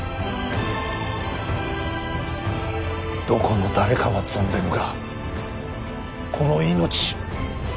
どこの誰かは存ぜぬがこの命